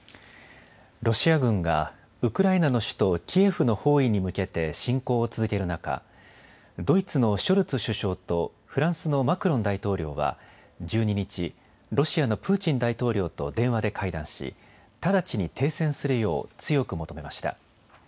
ロシア軍がウクライナの首都キエフの包囲に向けて侵攻を続ける中、ドイツのショルツ首相とフランスのマクロン大統領は１２日、ロシアのプーチン大統領と電話で会談し直ちに停戦するよう強く求めました。